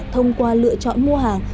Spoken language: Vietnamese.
thông qua lựa chọn mua hàng